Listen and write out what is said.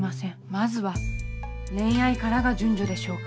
まずは恋愛からが順序でしょうか。